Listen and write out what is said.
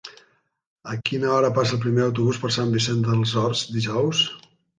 A quina hora passa el primer autobús per Sant Vicenç dels Horts dijous?